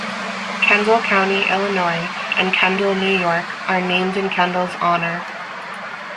Kendall County, Illinois, and Kendall, New York, are named in Kendall's honor.